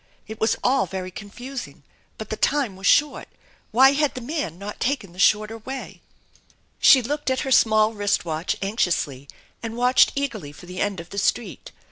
It was all very confusing, but the time was short, why had the man not taken the shorter way ? She looked at her small wrist watch anxiously and watched eagerly for the end of the street.